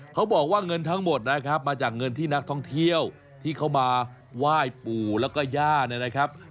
เขาบอกว่าเงินทั้งหมดนะครับมาจากเงินที่นักท่องเที่ยวที่เขามาไหว้ปู่แล้วก็ย่าเนี่ยนะครับ